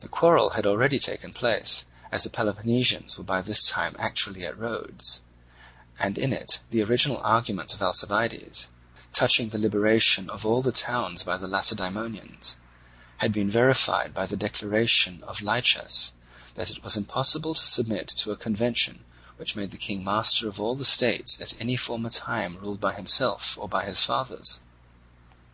The quarrel had already taken place, as the Peloponnesians were by this time actually at Rhodes; and in it the original argument of Alcibiades touching the liberation of all the towns by the Lacedaemonians had been verified by the declaration of Lichas that it was impossible to submit to a convention which made the King master of all the states at any former time ruled by himself or by his fathers.